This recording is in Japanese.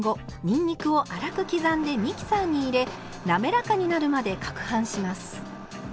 にんにくを粗く刻んでミキサーに入れ滑らかになるまでかくはんします。